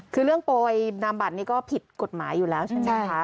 คือเรื่องโปรยนามบัตรนี่ก็ผิดกฎหมายอยู่แล้วใช่ไหมคะ